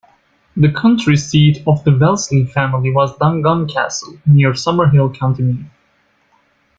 The country seat of the Wellesley family was Dangan Castle, near Summerhill, County Meath.